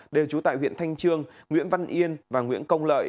đều trú tại huyện thanh trương nguyễn văn yên và nguyễn công lợi